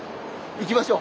行きましょう。